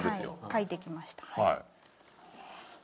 描いてきましたはい。